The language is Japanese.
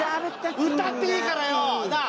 歌っていいからよ！なあ？